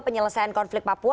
penyelesaian konflik papua